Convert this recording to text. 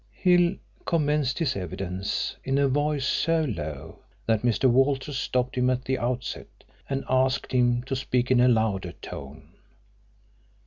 Hill commenced his evidence in a voice so low that Mr. Walters stopped him at the outset and asked him to speak in a louder tone.